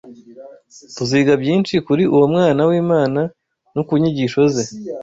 Tuziga byinshi kuri uwo Mwana w’Imana no ku nyigisho ze